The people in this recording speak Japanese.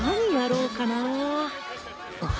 あっ。